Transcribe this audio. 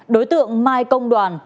đối tượng mai công đoàn